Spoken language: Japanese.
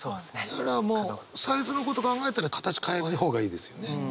だからもうサイズのことを考えたら形変えない方がいいですよね。